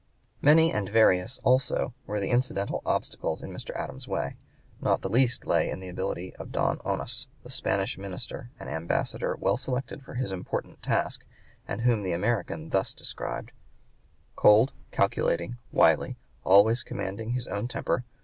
Many and various also were the incidental obstacles in Mr. Adams's way. Not the least lay in the ability of Don Onis, the Spanish Minister, an ambassador well selected for his important task and whom the American thus described: "Cold, calculating, wily, always commanding his own temper, (p.